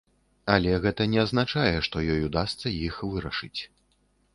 Але гэта не азначае, што ёй удасца іх вырашыць.